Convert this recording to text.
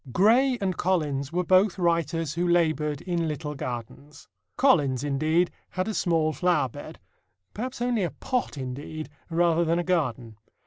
Gray and Collins were both writers who labored in little gardens. Collins, indeed, had a small flower bed perhaps only a pot, indeed rather than a garden.